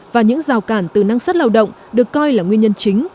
và những rào cản từ năng suất lao động được coi là nguyên nhân chính